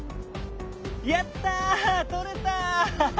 やったとれた！